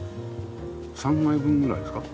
３枚分ぐらいですか？